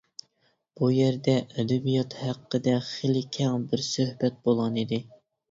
بۇ يەردە ئەدەبىيات ھەققىدە خېلى كەڭ بىر سۆھبەت بولغانىدى.